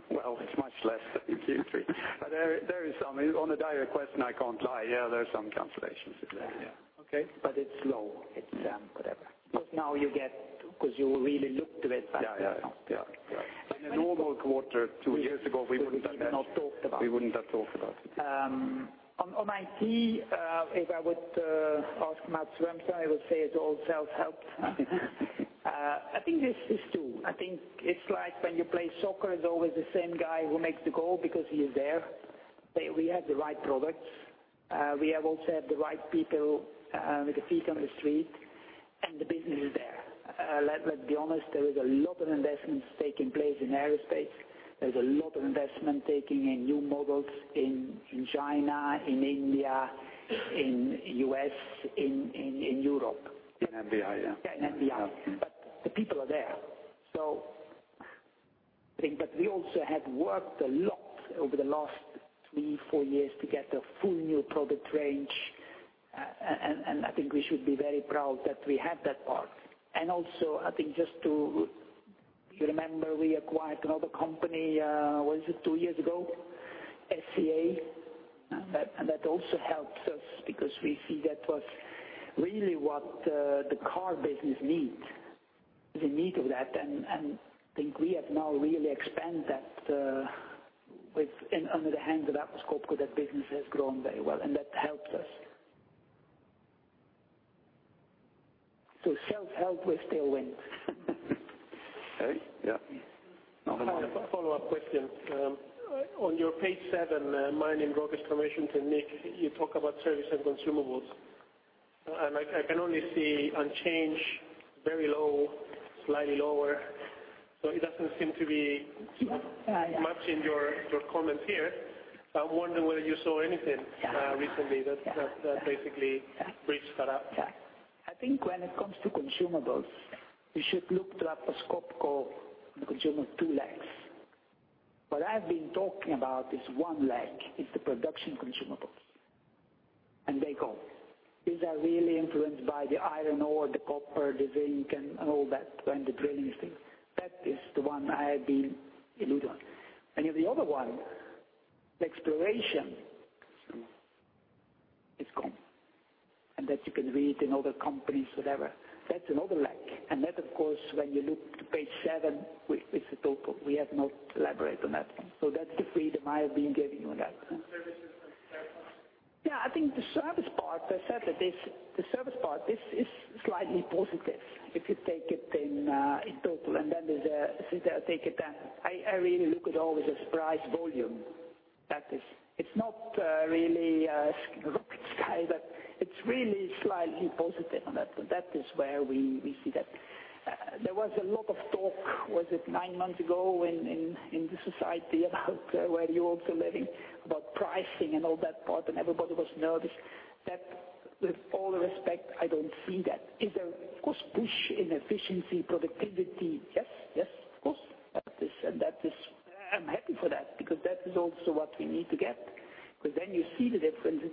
Speaker 1: Well, it's much less than in Q3. There is some. On a direct question, I can't lie. Yeah, there's some cancellations in there.
Speaker 10: Yeah. Okay.
Speaker 2: It's low. It's whatever. Because now you get, because you really look to it better now.
Speaker 1: Yeah. In a normal quarter two years ago, we wouldn't have.
Speaker 2: We would not talked about
Speaker 1: We wouldn't have talked about it.
Speaker 2: On IT, if I would ask Mats Rahmström, he would say it's all self-help. I think this is true. I think it's like when you play soccer, it's always the same guy who makes the goal because he is there. We have the right products. We have also had the right people with the feet on the street. The business is there. Let's be honest, there is a lot of investments taking place in aerospace. There's a lot of investment taking in new models in China, in India, in U.S., in Europe.
Speaker 1: In API, yeah.
Speaker 2: Yeah, in API. The people are there. We also have worked a lot over the last three, four years to get a full new product range. I think we should be very proud that we have that part. Also, I think just to You remember we acquired another company, was it two years ago? SCA. That also helps us because we see that was really what the car business needs, is in need of that. I think we have now really expanded that with, and under the hands of Atlas Copco, that business has grown very well, and that helps us. Self-help, we still win.
Speaker 1: Okay. Yeah.
Speaker 6: A follow-up question. On your page seven, Mining and Rock Excavation Technique, you talk about service and consumables. I can only see unchanged, very low, slightly lower. It doesn't seem to be much in your comments here. I'm wondering whether you saw anything recently that basically beefs that up.
Speaker 2: I think when it comes to consumables, you should look to Atlas Copco in the consumable two legs. What I've been talking about is one leg, is the production consumables. They go. These are really influenced by the iron ore, the copper, the zinc, and all that, and the drilling thing. That is the one I have been alluding on. Then the other one, exploration consumable, is gone. That you can read in other companies, whatever. That's another leg. That, of course, when you look to page seven, it's a total. We have not elaborated on that one. That's the freedom I've been giving you on that.
Speaker 6: Services and spare parts?
Speaker 2: Yeah, I think the service part, I said that the service part is slightly positive if you take it in total. Then there's, since I take it down, I really look at always as price volume. It's not really a rocket sky, but it's really slightly positive on that. That is where we see that. There was a lot of talk, was it nine months ago in the society about where you're also living, about pricing and all that part, and everybody was nervous. That with all due respect, I don't see that. Is there, of course, push in efficiency, productivity? Yes, of course. I'm happy for that because that is also what we need to get. Then you see the difference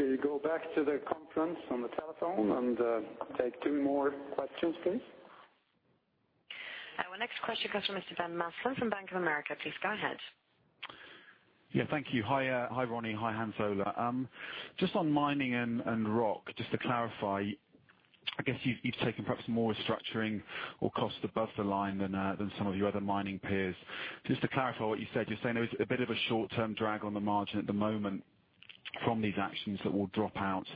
Speaker 2: in service.
Speaker 1: Good. We go back to the conference on the telephone and take two more questions, please.
Speaker 3: Our next question comes from Mr. Ben Maslen from Bank of America. Please go ahead.
Speaker 11: Yeah, thank you. Hi, Ronnie. Hi, Hans Ola. Just on mining and rock, just to clarify, I guess you've taken perhaps more restructuring or cost above the line than some of your other mining peers. Just to clarify what you said, you're saying there is a bit of a short-term drag on the margin at the moment from these actions that will drop out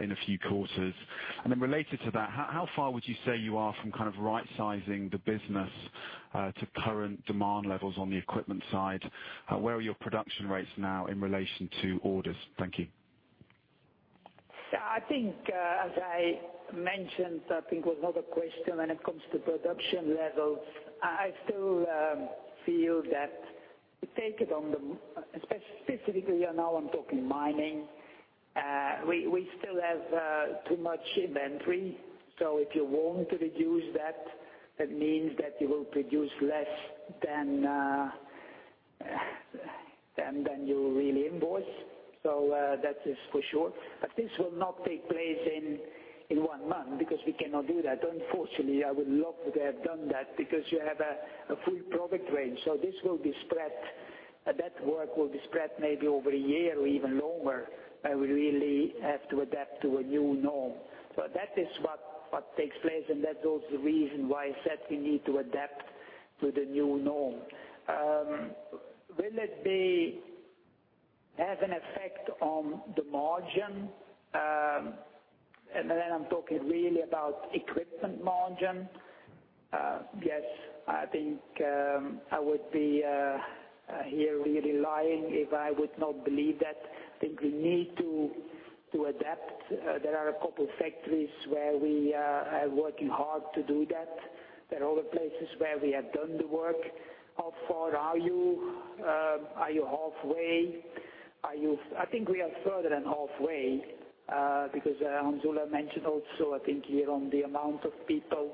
Speaker 11: in a few quarters. Related to that, how far would you say you are from kind of right-sizing the business to current demand levels on the equipment side? Where are your production rates now in relation to orders? Thank you.
Speaker 2: I think, as I mentioned, I think with another question when it comes to production levels. Specifically now I'm talking mining. We still have too much inventory, if you want to reduce that, it means that you will produce less than you really invoice. That is for sure. This will not take place in one month because we cannot do that. Unfortunately, I would love to have done that because you have a full product range. That work will be spread maybe over a year or even longer, and we really have to adapt to a new norm. That is what takes place, and that's also the reason why I said we need to adapt to the new norm. Will it have an effect on the margin? I'm talking really about equipment margin. Yes, I think I would be here really lying if I would not believe that. I think we need to adapt. There are a couple factories where we are working hard to do that. There are other places where we have done the work. How far are you? Are you halfway? I think we are further than halfway, because Hans Ola mentioned also, I think here on the amount of people.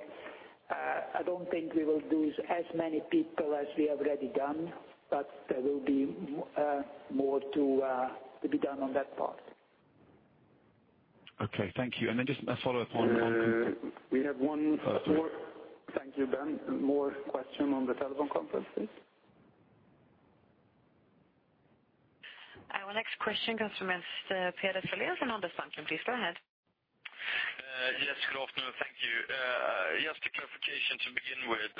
Speaker 2: I don't think we will lose as many people as we have already done, but there will be more to be done on that part.
Speaker 11: Okay. Thank you. Just a follow-up.
Speaker 1: We have one more. Thank you, Ben. More question on the telephone conference, please.
Speaker 3: Our next question comes from [Mr. Peder Zaliens, Nordea]. Please go ahead.
Speaker 12: Yes, good afternoon. Thank you. Just a clarification to begin with.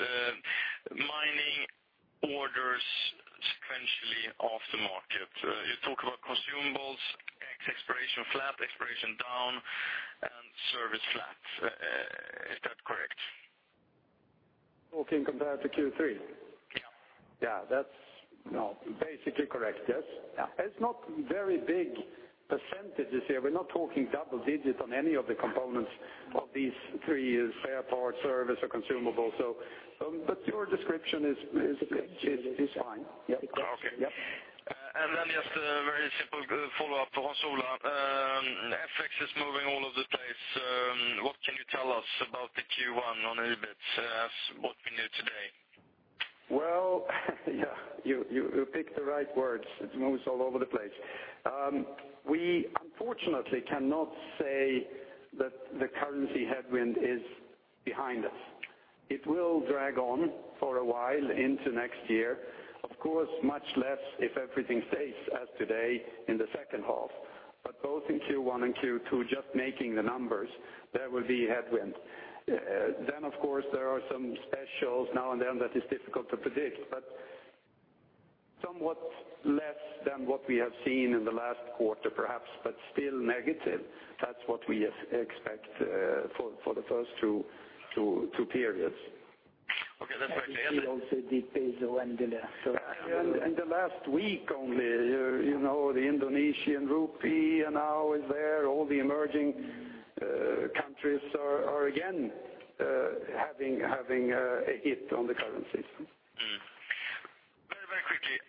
Speaker 12: Mining orders sequentially off the market. You talk about consumables, exploration flat, exploration down, and service flat. Is that correct?
Speaker 1: Talking compared to Q3?
Speaker 12: Yeah.
Speaker 1: Yeah. That's basically correct, yes.
Speaker 12: Yeah.
Speaker 1: It's not very big percentages here. We're not talking double digits on any of the components of these three, spare parts, service, or consumables. Your description is fine. Yep.
Speaker 12: Okay.
Speaker 1: Yep.
Speaker 12: Just a very simple follow-up for Hans Ola. FX is moving all over the place. What can you tell us about the Q1 on EBIT, what we knew today?
Speaker 1: Well, you picked the right words. It moves all over the place. We unfortunately cannot say that the currency headwind is behind us. It will drag on for a while into next year. Of course, much less if everything stays as today in the second half. Both in Q1 and Q2, just making the numbers, there will be headwind. Of course, there are some specials now and then that is difficult to predict, but somewhat less than what we have seen in the last quarter, perhaps, but still negative. That's what we expect for the first two periods.
Speaker 12: Okay, that's actually.
Speaker 2: The peso and the.
Speaker 1: In the last week only, the Indonesian rupiah now is there. All the emerging countries are again having a hit on the currencies.
Speaker 12: Very quickly.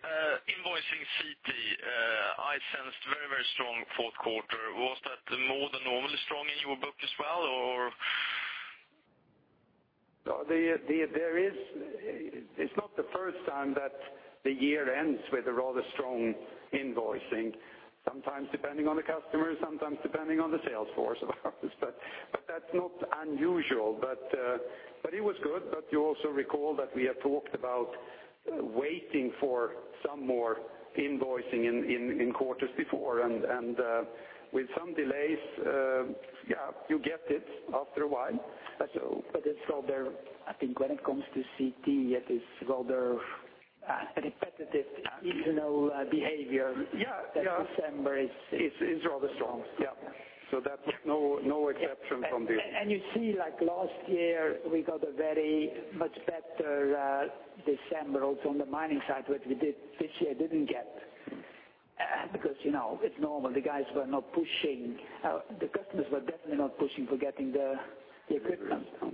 Speaker 12: Invoicing CT, I sensed very strong fourth quarter. Was that more than normally strong in your book as well, or?
Speaker 1: No, it's not the first time that the year ends with a rather strong invoicing. Sometimes depending on the customer, sometimes depending on the sales force of ours. That's not unusual. It was good, but you also recall that we have talked about waiting for some more invoicing in quarters before and with some delays, you get it after a while.
Speaker 2: It's rather, I think when it comes to CT, it is rather a repetitive seasonal behavior.
Speaker 1: Yeah.
Speaker 2: That December is-
Speaker 1: Is rather strong. Yeah. That was no exception from this.
Speaker 2: You see, last year, we got a very much better December also on the mining side, which we this year didn't get. It's normal. The guys were not pushing out. The customers were definitely not pushing for getting the equipment.
Speaker 12: That's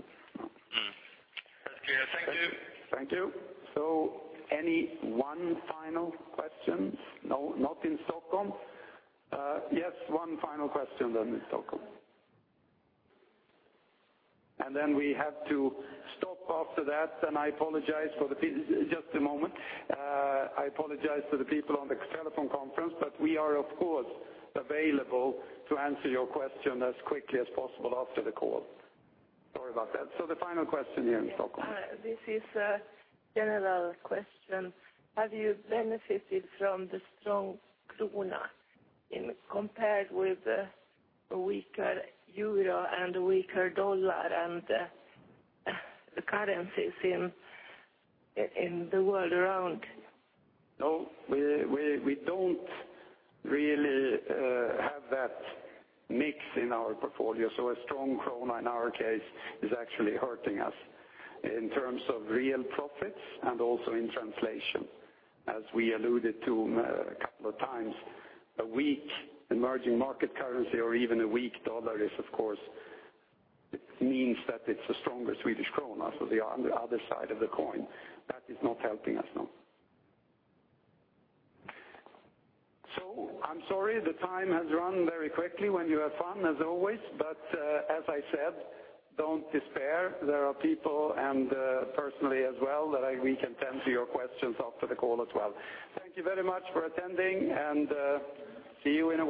Speaker 12: clear. Thank you.
Speaker 1: Thank you. Any one final question? No, not in Stockholm. Yes, one final question then in Stockholm. Then we have to stop after that, and I apologize. Just a moment. I apologize to the people on the telephone conference, we are, of course, available to answer your question as quickly as possible after the call. Sorry about that. The final question here in Stockholm.
Speaker 13: This is a general question. Have you benefited from the strong krona compared with the weaker euro and the weaker dollar, and the currencies in the world around?
Speaker 1: We don't really have that mix in our portfolio. A strong krona, in our case, is actually hurting us in terms of real profits and also in translation. As we alluded to a couple of times, a weak emerging market currency or even a weak dollar, of course, means that it's a stronger Swedish krona. The other side of the coin. That is not helping us, no. I'm sorry the time has run very quickly when you have fun, as always. As I said, don't despair. There are people, and personally as well, that we can answer your questions after the call as well. Thank you very much for attending, and see you in a while